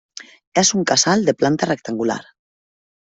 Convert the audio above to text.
És un casal de planta rectangular.